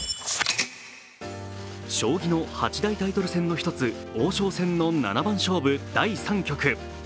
将棋の８大タイトル戦の１つ、王将戦の七番勝負・第３局。